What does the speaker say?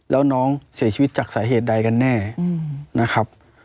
แล้วน้องเสียชีวิตจากสาเหตุใดกันแน่นะครับ